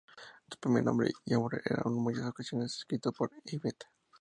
Su primer nombre Yvonne era en muchas ocasiones escrito como Yvette.